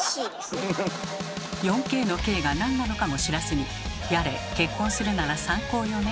４Ｋの「Ｋ」がなんなのかも知らずにやれ「結婚するなら３高よね」